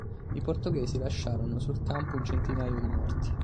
I portoghesi lasciarono sul campo un centinaio di morti.